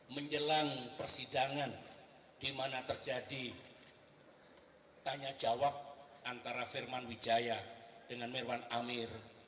menjelang persidangan di mana terjadi tanya jawab antara firman wijaya dengan mirwan amir